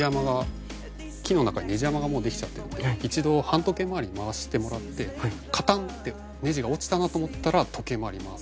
木の中にネジ穴がもうできちゃってるので一度反時計回りに回してもらってカタンってネジが落ちたなと思ったら時計回りに回す。